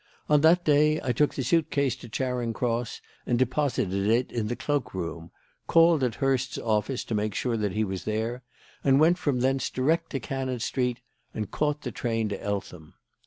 On that day I took the suit case to Charing Cross and deposited it in the cloak room, called at Hurst's office to make sure that he was there, and went from thence direct to Cannon Street and caught the train to Eltham.